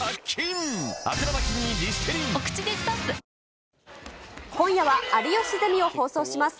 ⁉ＬＧ２１今夜は有吉ゼミを放送します。